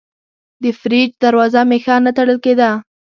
د فریج دروازه مې ښه نه تړل کېده.